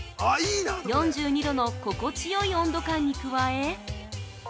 ４２度の心地よい温度感に加え◆